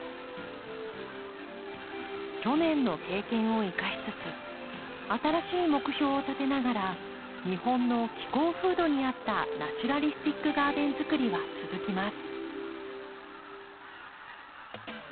去年の経験を生かしつつ新しい目標を立てながら日本の気候風土に合ったナチュラリスティックガーデンづくりは続きます。